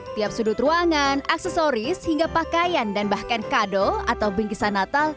tiap sudut ruangan aksesoris hingga pakaian dan bahkan kado atau bingkisan natal